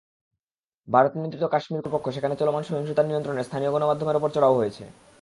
ভারত-নিয়ন্ত্রিত কাশ্মীর কর্তৃপক্ষ সেখানে চলমান সহিংসতা নিয়ন্ত্রণে স্থানীয় গণমাধ্যমের ওপর চড়াও হয়েছে।